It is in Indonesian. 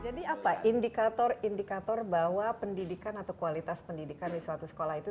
jadi apa indikator indikator bahwa pendidikan atau kualitas pendidikan di suatu sekolah itu